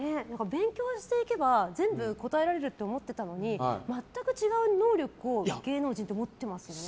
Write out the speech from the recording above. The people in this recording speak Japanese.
勉強していけば全部、答えられると思ってたのに全く違う能力を芸能人って持っていますよね。